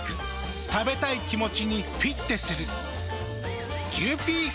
食べたい気持ちにフィッテする。